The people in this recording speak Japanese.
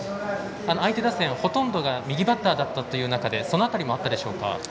相手打線はほとんどが右バッターだったという中でその辺りもあったでしょうか。